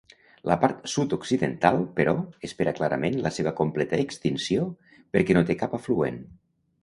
La part sud-occidental, però, espera clarament la seva completa extinció perquè no té cap afluent.